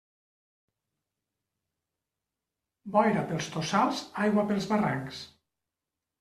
Boira pels tossals, aigua pels barrancs.